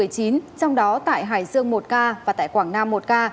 trong đó tại hải dương một ca và tại quảng nam một ca